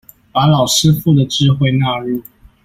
把老師傅的智慧納入